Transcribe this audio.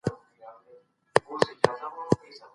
محمد داود په کابل کې زېږېدلی و.